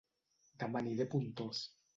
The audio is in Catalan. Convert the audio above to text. Dema aniré a Pontós